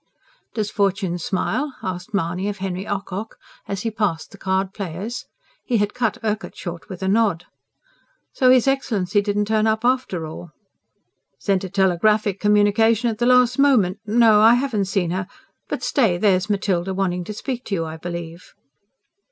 "Does fortune smile?" asked Mahony of Henry Ocock as he passed the card players: he had cut Urquhart short with a nod. "So his Excellency didn't turn up, after all?" "Sent a telegraphic communication at the last moment. No, I haven't seen her. But stay, there's Matilda wanting to speak to you, I believe."